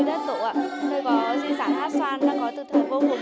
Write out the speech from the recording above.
em sinh ra trên miền quê đất tụ tôi có di sản hát xoan từ thời vô cùng